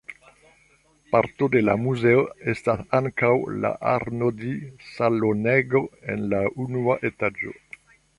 Parto de la muzeo estas ankaŭ la Arnoldi-salonego en la unua etaĝo.